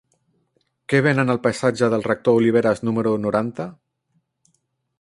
Què venen al passatge del Rector Oliveras número noranta?